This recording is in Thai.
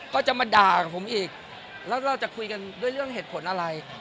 ก็จะมาด่ากับผมอีกแล้วเราจะคุยกันด้วยเรื่องเหตุผลอะไร